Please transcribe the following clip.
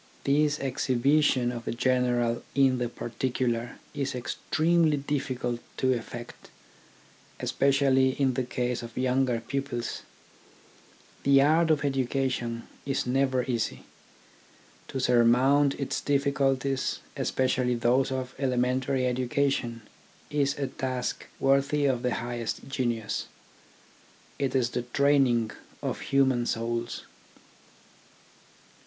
This exhibition of the general in the particular is extremely difficult to effect, especially in the case of younger pupils. The art of education is never easy. To surmount its difficulties, espe cially those of elementary education, is a task worthy of the highest genius. It is the training of human souls.